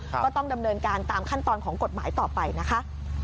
ก็ต้องดำเนินการตามขั้นตอนของกฎหมายต่อไปนะคะ